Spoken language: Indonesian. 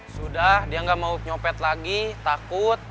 sudah dia nggak mau nyopet lagi takut